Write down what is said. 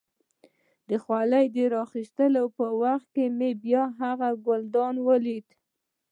د خولۍ د را اخيستو په وخت کې مې بیا هغه ګلدان ولید.